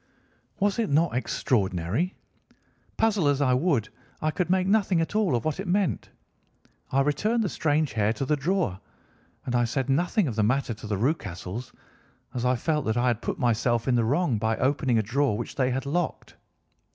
Was it not extraordinary? Puzzle as I would, I could make nothing at all of what it meant. I returned the strange hair to the drawer, and I said nothing of the matter to the Rucastles as I felt that I had put myself in the wrong by opening a drawer which they had locked.